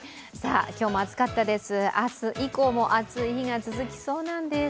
今日も暑かったです、明日以降も暑い日が続きそうなんです。